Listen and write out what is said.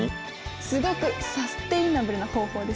すごくサステイナブルな方法ですよ。